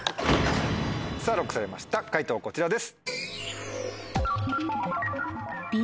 さぁＬＯＣＫされました解答こちらです。